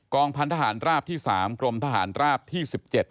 พันธหารราบที่๓กรมทหารราบที่๑๗